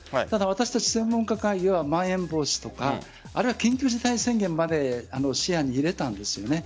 ただ、私たち専門家会議ではまん延防止とかあるいは緊急事態宣言まで視野に入れたんです。